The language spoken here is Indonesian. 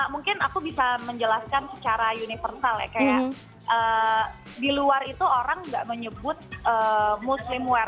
mungkin aku bisa menjelaskan secara universal ya kayak di luar itu orang nggak menyebut muslim wear